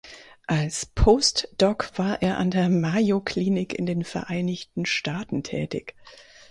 Als Postdoc war er an der Mayo Clinic in den Vereinigten Staaten tätig.